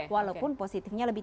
walaupun positifnya lebih